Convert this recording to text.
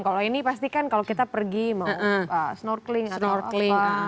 kalau ini pastikan kalau kita pergi mau snorkeling atau apa